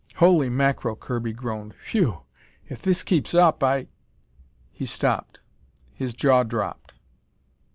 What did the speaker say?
"Holy mackerel," Kirby groaned. "Phew! If this keeps up, I " He stopped. His jaw dropped.